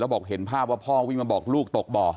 บอกเห็นภาพว่าพ่อวิ่งมาบอกลูกตกบ่อ